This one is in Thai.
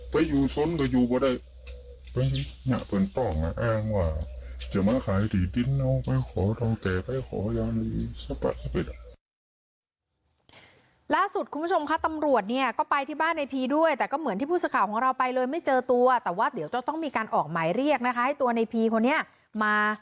ตั้งแต่ไหนแต่ไร้มาแล้วครับมันมาแจว่าคนอีกคนเดียว